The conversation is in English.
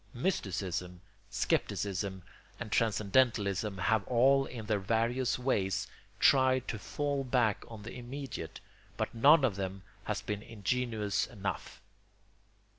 Mysticism, scepticism, and transcendentalism have all in their various ways tried to fall back on the immediate; but none of them has been ingenuous enough.